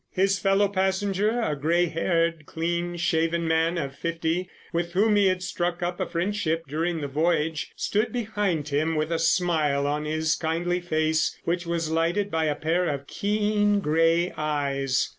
His fellow passenger, a grey haired, clean shaven man of fifty, with whom he had struck up a friendship during the voyage, stood behind him with a smile on his kindly face, which was lighted by a pair of keen, grey eyes.